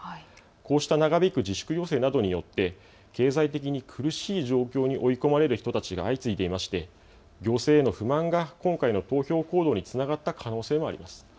こうした長引く自粛要請などによって経済的に苦しい状況に追い込まれる人たちが相次いでいまして行政への不満が今回の投票行動につながった可能性もあります。